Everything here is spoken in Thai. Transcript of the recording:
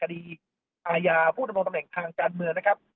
คดีอาญาผู้ดำรงตำแหน่งทางการเมืองนะครับ